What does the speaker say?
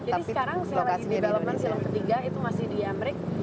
jadi sekarang saya lagi development film ketiga itu masih di amerika